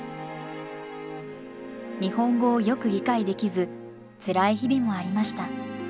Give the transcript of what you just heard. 日本語をよく理解できずつらい日々もありました。